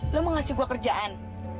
lo mau ngasih gue kerjaan